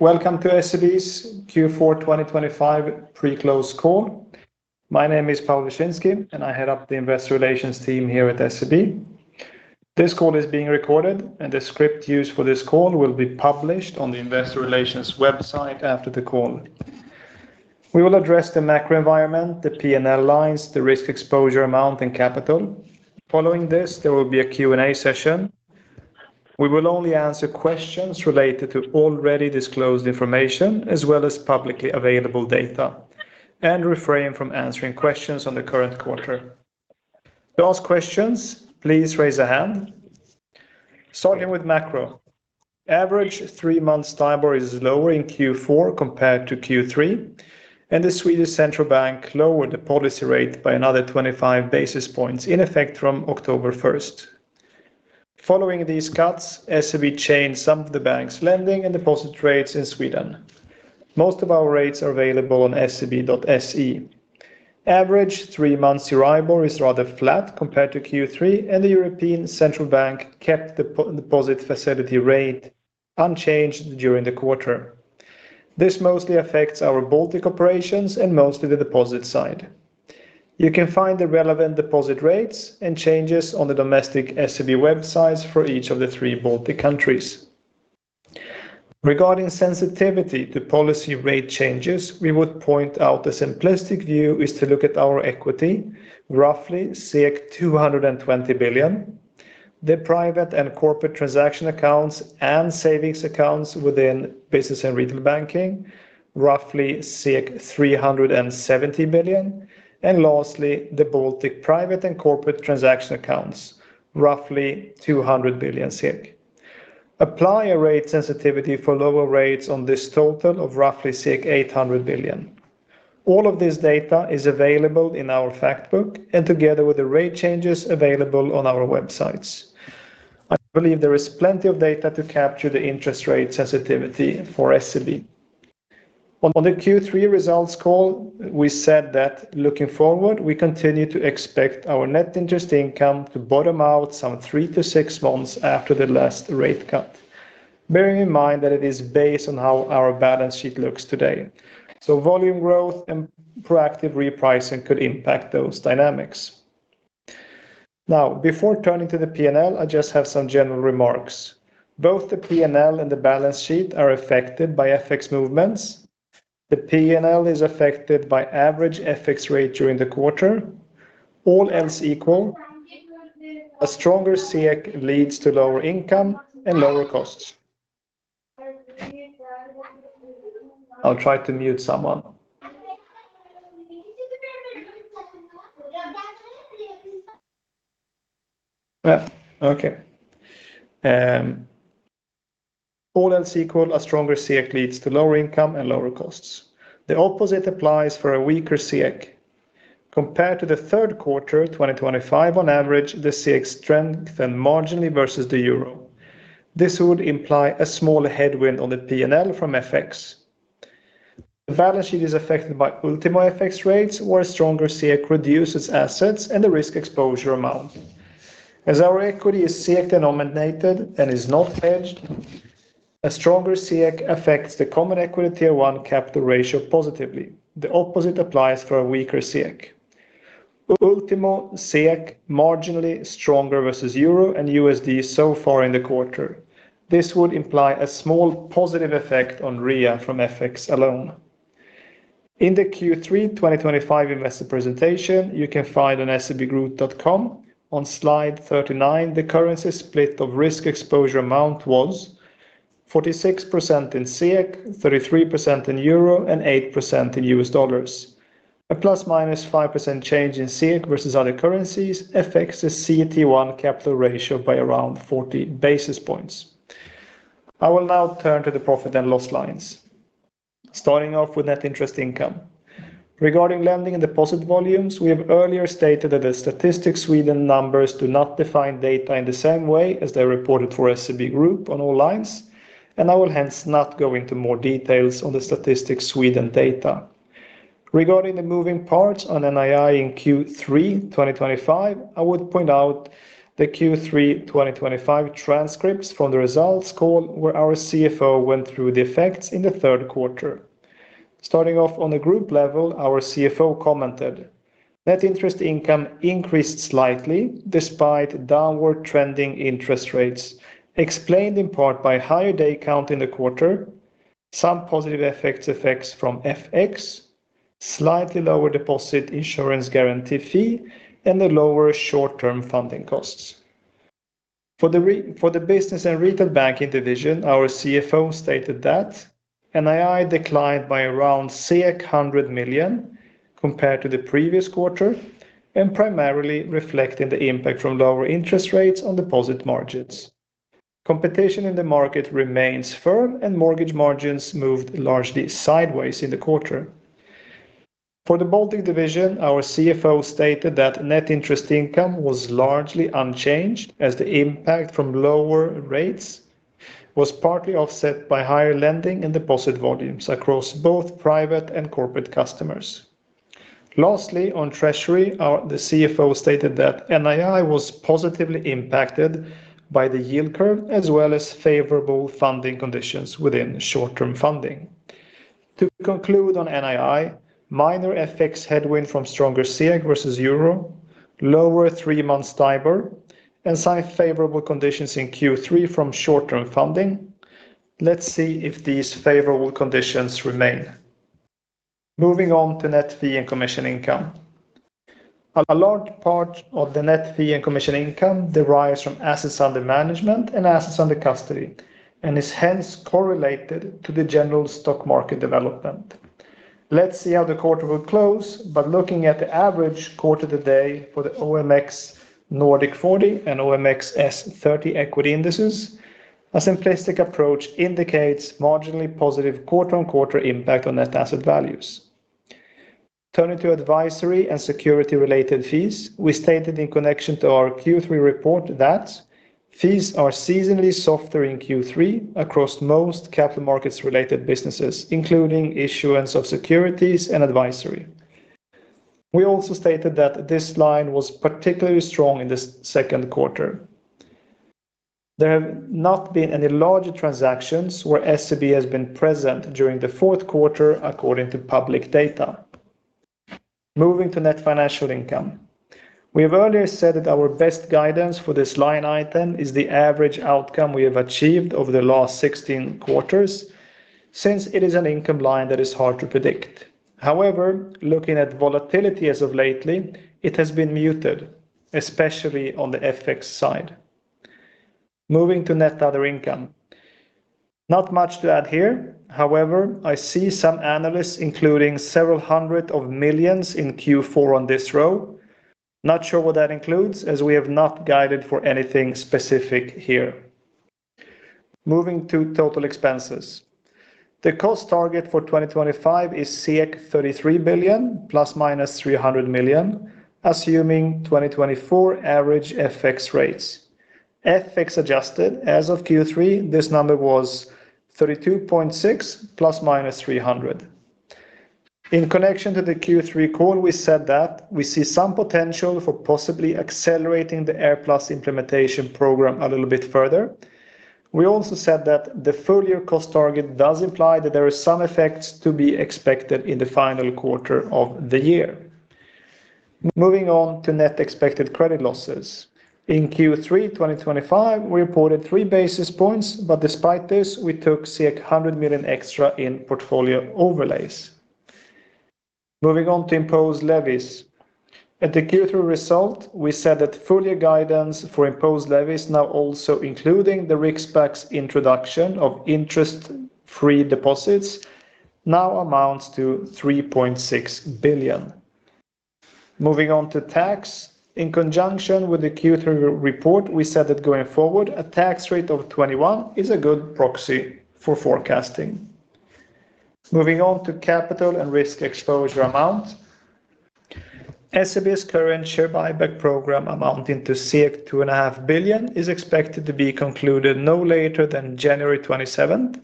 Welcome to SEB's Q4 2025 pre-close call. My name is Pawel Wyszynski, and I head up the Investor Relations team here at SEB. This call is being recorded, and the script used for this call will be published on the Investor Relations website after the call. We will address the macro environment, the P&L lines, the risk exposure amount, and capital. Following this, there will be a Q&A session. We will only answer questions related to already disclosed information as well as publicly available data and refrain from answering questions on the current quarter. To ask questions, please raise a hand. Starting with macro, average three-month STIBOR is lower in Q4 compared to Q3, and the Swedish central bank lowered the policy rate by another 25 basis points in effect from October 1st. Following these cuts, SEB changed some of the bank's lending and deposit rates in Sweden. Most of our rates are available on seb.se. Average three-month Euribor is rather flat compared to Q3, and the European Central Bank kept the deposit facility rate unchanged during the quarter. This mostly affects our Baltic operations and mostly the deposit side. You can find the relevant deposit rates and changes on the domestic SEB websites for each of the three Baltic countries. Regarding sensitivity to policy rate changes, we would point out a simplistic view is to look at our equity, roughly 220 billion. The private and corporate transaction accounts and savings accounts within business and retail banking, roughly 370 billion. And lastly, the Baltic private and corporate transaction accounts, roughly 200 billion SEK. Apply a rate sensitivity for lower rates on this total of roughly 800 billion. All of this data is available in our Fact Book and together with the rate changes available on our websites. I believe there is plenty of data to capture the interest rate sensitivity for SEB. On the Q3 results call, we said that looking forward, we continue to expect our net interest income to bottom out some three to six months after the last rate cut, bearing in mind that it is based on how our balance sheet looks today. So, volume growth and proactive repricing could impact those dynamics. Now, before turning to the P&L, I just have some general remarks. Both the P&L and the balance sheet are affected by FX movements. The P&L is affected by average FX rate during the quarter. All else equal, a stronger SEK leads to lower income and lower costs. I'll try to mute someone. Yeah, okay. All else equal, a stronger SEK leads to lower income and lower costs. The opposite applies for a weaker SEK. Compared to the third quarter 2025, on average, the SEK strengthened marginally versus the euro. This would imply a smaller headwind on the P&L from FX. The balance sheet is affected by ultimo FX rates, where a stronger SEK reduces assets and the risk exposure amount. As our equity is SEK denominated and is not hedged, a stronger SEK affects the Common Equity Tier 1 capital ratio positively. The opposite applies for a weaker SEK. Ultimo SEK marginally stronger versus euro and USD so far in the quarter. This would imply a small positive effect on REA from FX alone. In the Q3 2025 investor presentation, you can find on sebgroup.com on slide 39, the currency split of risk exposure amount was 46% in SEK, 33% in EUR, and 8% in USD. A plus-minus 5% change in SEK versus other currencies affects the CET1 capital ratio by around 40 basis points. I will now turn to the profit and loss lines, starting off with net interest income. Regarding lending and deposit volumes, we have earlier stated that the Statistics Sweden numbers do not define data in the same way as they are reported for SEB Group on all lines, and I will hence not go into more details on the Statistics Sweden data. Regarding the moving parts on NII in Q3 2025, I would point out the Q3 2025 transcripts from the results call where our CFO went through the effects in the third quarter. Starting off on the group level, our CFO commented net interest income increased slightly despite downward trending interest rates, explained in part by higher day count in the quarter, some positive effects from FX, slightly lower deposit insurance guarantee fee, and the lower short-term funding costs. For the business and retail banking division, our CFO stated that NII declined by around 100 million compared to the previous quarter, and primarily reflecting the impact from lower interest rates on deposit margins. Competition in the market remains firm, and mortgage margins moved largely sideways in the quarter. For the Baltic division, our CFO stated that net interest income was largely unchanged as the impact from lower rates was partly offset by higher lending and deposit volumes across both private and corporate customers. Lastly, on Treasury, the CFO stated that NII was positively impacted by the yield curve as well as favorable funding conditions within short-term funding. To conclude on NII, minor FX headwind from stronger SEK versus EUR, lower three-months STIBOR, and some favorable conditions in Q3 from short-term funding. Let's see if these favorable conditions remain. Moving on to net fee and commission income. A large part of the net fee and commission income derives from assets under management and assets under custody and is hence correlated to the general stock market development. Let's see how the quarter will close but looking at the average quarter of the day for the OMX Nordic 40 and OMXS30 equity indices, a simplistic approach indicates marginally positive quarter-on-quarter impact on net asset values. Turning to advisory and securities-related fees, we stated in connection to our Q3 report that fees are seasonally softer in Q3 across most capital markets-related businesses, including issuance of securities and advisory. We also stated that this line was particularly strong in the second quarter. There have not been any larger transactions where SEB has been present during the fourth quarter, according to public data. Moving to net financial income, we have earlier said that our best guidance for this line item is the average outcome we have achieved over the last 16 quarters, since it is an income line that is hard to predict. However, looking at volatility as of lately, it has been muted, especially on the FX side. Moving to net other income, not much to add here. However, I see some analysts including several hundreds of millions in Q4 on this row. Not sure what that includes, as we have not guided for anything specific here. Moving to total expenses, the cost target for 2025 is 33 billion, plus minus 300 million, assuming 2024 average FX rates. FX adjusted as of Q3, this number was 32.6 billion, plus minus 300 million. In connection to the Q3 call, we said that we see some potential for possibly accelerating the AirPlus implementation program a little bit further. We also said that the further cost target does imply that there are some effects to be expected in the final quarter of the year. Moving on to net expected credit losses. In Q3 2025, we reported three basis points, but despite this, we took 100 million extra in portfolio overlays. Moving on to imposed levies. At the Q3 result, we said that further guidance for imposed levies, now also including the Riksbank's introduction of interest-free deposits, now amounts to 3.6 billion. Moving on to tax. In conjunction with the Q3 report, we said that going forward, a tax rate of 21% is a good proxy for forecasting. Moving on to capital and risk exposure amount. SEB's current share buyback program amounting to 2.5 billion is expected to be concluded no later than January 27,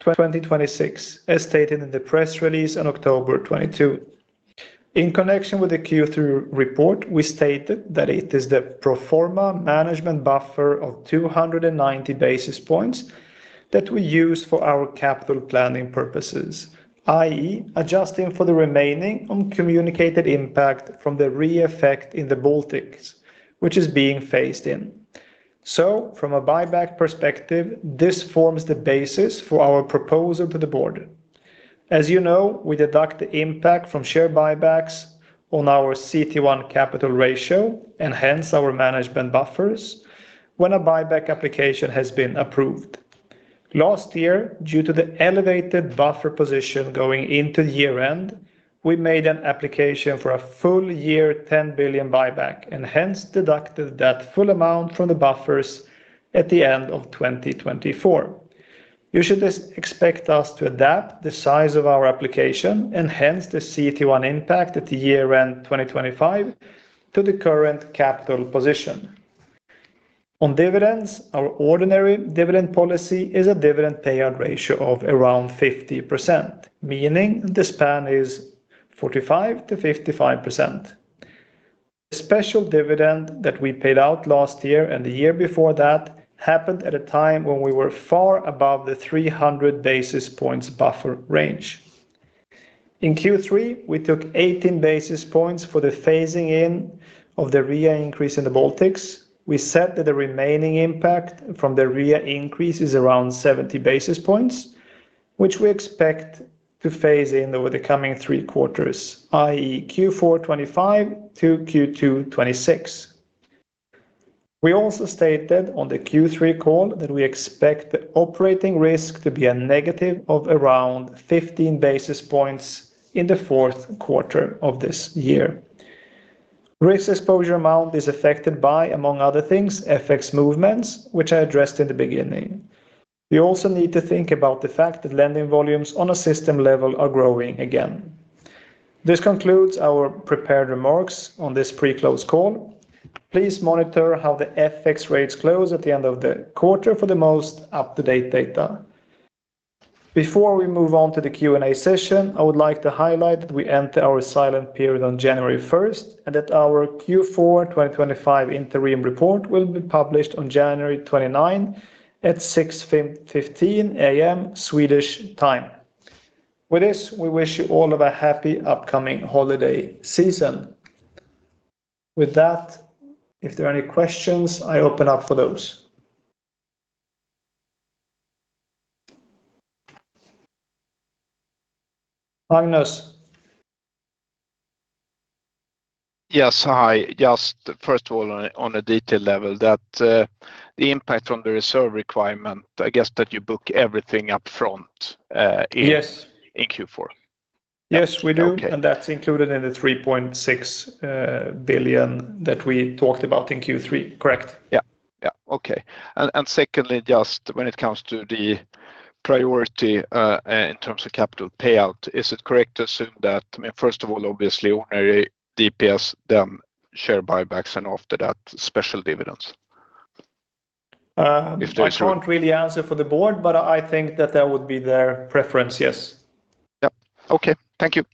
2026, as stated in the press release on October 22. In connection with the Q3 report, we stated that it is the pro forma management buffer of 290 basis points that we use for our capital planning purposes, i.e., adjusting for the remaining uncommunicated impact from the REA effect in the Baltics, which is being phased in. So, from a buyback perspective, this forms the basis for our proposal to the board. As you know, we deduct the impact from share buybacks on our CET1 capital ratio and hence our management buffers when a buyback application has been approved. Last year, due to the elevated buffer position going into the year-end, we made an application for a full-year 10 billion buyback and hence deducted that full amount from the buffers at the end of 2024. You should expect us to adapt the size of our application and hence the CET1 impact at the year-end 2025 to the current capital position. On dividends, our ordinary dividend policy is a dividend payout ratio of around 50%, meaning the span is 45%-55%. The special dividend that we paid out last year and the year before that happened at a time when we were far above the 300 basis points buffer range. In Q3, we took 18 basis points for the phasing in of the REA increase in the Baltics. We said that the remaining impact from the REA increase is around 70 basis points, which we expect to phase in over the coming three quarters, i.e., Q4 2025 to Q2 2026. We also stated on the Q3 call that we expect the operating risk to be a negative of around 15 basis points in the fourth quarter of this year. Risk exposure amount is affected by, among other things, FX movements, which I addressed in the beginning. You also need to think about the fact that lending volumes on a system level are growing again. This concludes our prepared remarks on this pre-close call. Please monitor how the FX rates close at the end of the quarter for the most up-to-date data. Before we move on to the Q&A session, I would like to highlight that we enter our silent period on January 1 and that our Q4 2025 interim report will be published on January 29 at 6:15 A.M. Swedish time. With this, we wish you all a happy upcoming holiday season. With that, if there are any questions, I open up for those. Magnus. Yes, hi. Just first of all, on a detail level, that the impact on the reserve requirement, I guess that you book everything up front in Q4. Yes, we do. And that's included in the 3.6 billion that we talked about in Q3, correct? Yeah, yeah. Okay. And secondly, just when it comes to the priority in terms of capital payout, is it correct to assume that, I mean, first of all, obviously ordinary DPS, then share buybacks, and after that, special dividends? I can't really answer for the board, but I think that that would be their preference, yes. Yeah. Okay. Thank you.